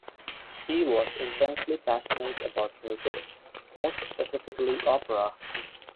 He was intensely passionate about music, most specifically Opera.